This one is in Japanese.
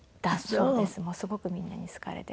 すごくみんなに好かれて。